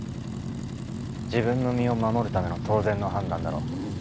自分の身を守るための当然の判断だろう。